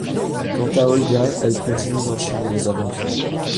Quant à Olga, elle continue d'enchaîner les aventures.